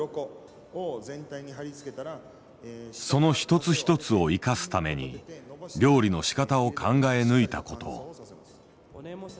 その一つ一つを生かすために料理のしかたを考え抜いた事。